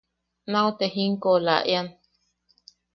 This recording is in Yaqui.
–Nau te jinkoʼolaʼean.